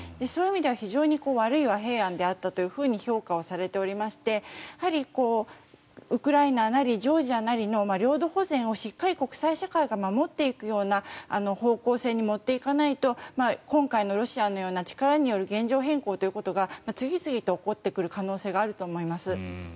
そういう意味では非常に悪い和平案であったと評価をされておりましてウクライナなりジョージアなりの領土保全をしっかり国際社会が守っていくような方向性に持っていかないと今回のロシアのような力による現状変更というのが次々と起こってくる可能性があると思います。